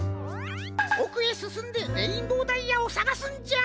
おくへすすんでレインボーダイヤをさがすんじゃ！